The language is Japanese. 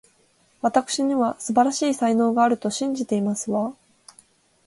わたくしには、素晴らしい才能があると信じていますわ